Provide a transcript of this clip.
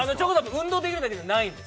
運動できるだけじゃないんです